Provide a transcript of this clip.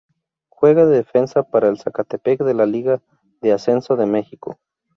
Juega de defensa para el Zacatepec de la Liga de Ascenso de Mexico.